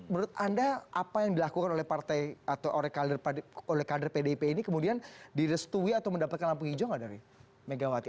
menurut anda apa yang dilakukan oleh partai atau oleh kader pdip ini kemudian direstui atau mendapatkan lampu hijau nggak dari megawati